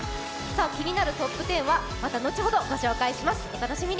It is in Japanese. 気になるトップ１０はまた後ほどご紹介します。